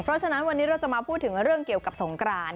เพราะฉะนั้นวันนี้เราจะมาพูดถึงเรื่องเกี่ยวกับสงกราน